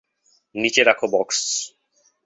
নিচে রাখো বক্স।